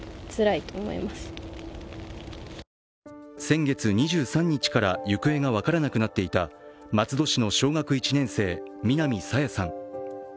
先月２３日から行方が分からなくなっていた松戸市の小学１年生、南朝芽さん。